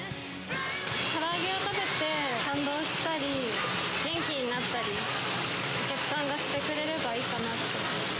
から揚げを食べて感動したり、元気になったり、お客さんがしてくれればいいかなと。